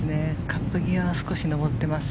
カップ際が少し上っています。